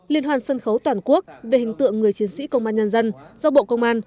liên hoàn sân khấu toàn quốc về hình tượng người chiến sĩ công an nhân dân do bộ công an